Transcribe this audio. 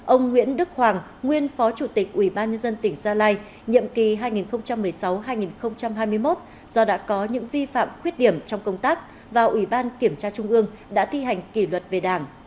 ông nguyễn đức hoàng nguyên phó chủ tịch ubnd tỉnh gia lai nhiệm kỳ hai nghìn một mươi sáu hai nghìn hai mươi một do đã có những vi phạm khuyết điểm trong công tác và ubnd đã thi hành kỷ luật về đảng